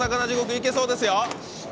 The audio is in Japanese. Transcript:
いけそうですよ！